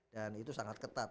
dan itu sangat ketat